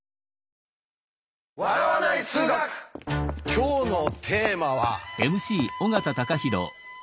今日のテーマは。